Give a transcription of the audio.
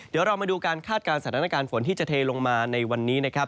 เดี๋ยวเรามาดูการคาดการณ์สถานการณ์ฝนที่จะเทลงมาในวันนี้นะครับ